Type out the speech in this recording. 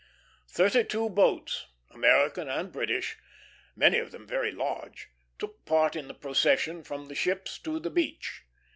Thirty two boats, American and British, many of them very large, took part in the procession from the ships to the beach.